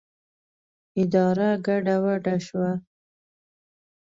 اداره ګډه وډه شوه.